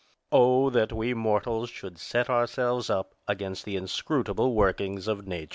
Oh, that we mortals should set ourselves up against the inscrutable workings of Nature!